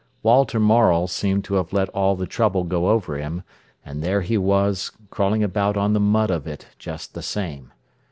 Walter Morel seemed to have let all the trouble go over him, and there he was, crawling about on the mud of it, just the same.